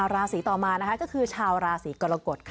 ราศีต่อมานะคะก็คือชาวราศีกรกฎค่ะ